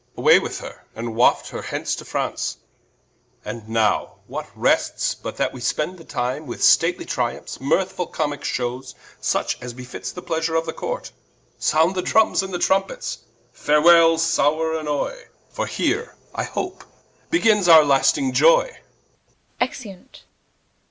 Away with her, and waft her hence to France: And now what rests, but that we spend the time With stately Triumphes, mirthfull Comicke shewes, Such as befits the pleasure of the Court. Sound Drums and Trumpets, farwell sowre annoy, For heere I hope begins our lasting ioy.